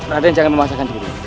raden jangan memaksakan diri